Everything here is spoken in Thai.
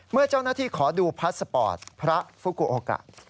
เมื่อเจ้าหน้าที่ขอดูพาสปอร์ตพระฟุกูโอกะ